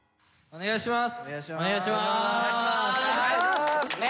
お願いします！